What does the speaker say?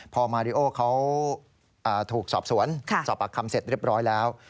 พอมาริโอเขาถูกสอบสวนสอบปากคำเสร็จเรียบร้อยแล้ว